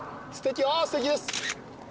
ああすてきです。